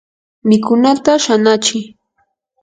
mikunata shanachi.